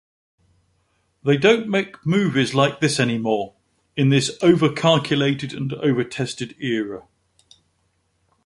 They don't make movies like this anymore, in this overcalculated and overtested era.